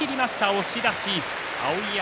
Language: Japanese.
押し出し碧山。